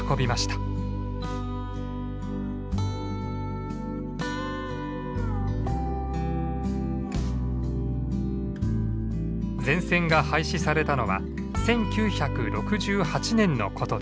全線が廃止されたのは１９６８年のことです。